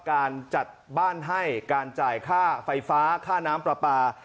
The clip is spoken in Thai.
การจัดบ้านให้การจ่ายค่าไฟฟ้าค่าน้ำปลาปลา